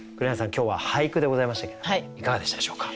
今日は俳句でございましたけどいかがでしたでしょうか？